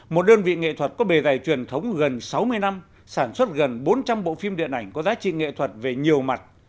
một đơn vị nghệ thuật có bề dày truyền thống gần sáu mươi năm sản xuất gần bốn trăm linh bộ phim điện ảnh có giá trị nghệ thuật về nhiều mặt